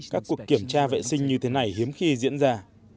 các cuộc kiểm tra vệ sinh như thế này hiếm khi diễn ra